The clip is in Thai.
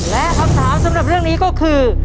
และคำถามสำหรับเรื่องนี้ก็คือ